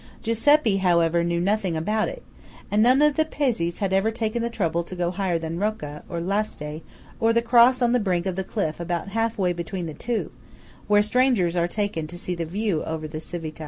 Giuseppe, however, knew nothing about it; and none of the Pezzés had ever taken the trouble to go higher than Rocca, or Lasté, or the cross on the brink of the cliff about halfway between the two, where strangers are taken to see the view over the Civita.